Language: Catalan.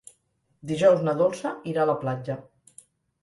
Dijous na Dolça irà a la platja.